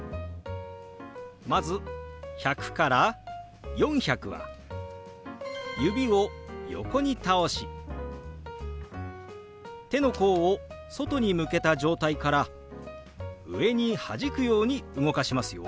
まず１００から４００は指を横に倒し手の甲を外に向けた状態から上にはじくように動かしますよ。